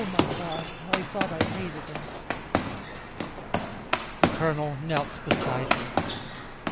my God, I thought I hated him!" The Colonel knelt beside her.